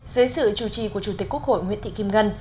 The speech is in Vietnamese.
dưới sự chủ trì của chủ tịch quốc hội nguyễn thị kim ngân